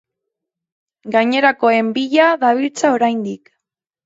Gainerakoen bila dabiltza oraindik.